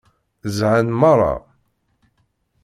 Zhan meṛṛa.